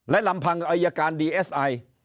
และลำพังอายการดีเอสไอ